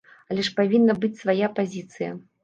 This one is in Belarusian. Але ж павінна быць свая пазіцыя!